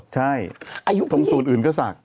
ใช่ตรงศูนย์อื่นก็ศักดิ